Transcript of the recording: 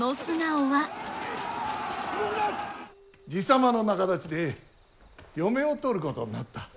爺様の仲立ちで嫁を取ることになった。